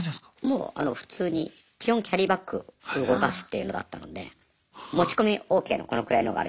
もう普通に基本キャリーバッグ動かすっていうのだったので持ち込みＯＫのこのくらいのがあるじゃないですか。